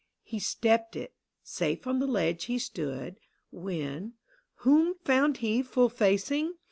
He stepped it, safe on the ledge he stood, When — whom found he full facing